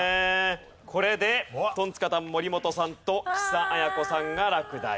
これでトンツカタン森本さんと木佐彩子さんが落第ですね。